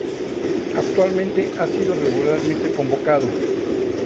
Actualmente ha sido regularmente convocado.